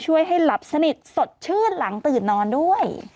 ให้หลับสนิทสดชื่นหลังตื่นนอนด้วย